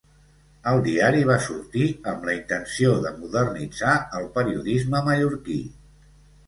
El diari va sortir amb la intenció de modernitzar el periodisme mallorquí.